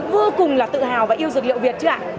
vô cùng là tự hào và yêu dược liệu việt chưa ạ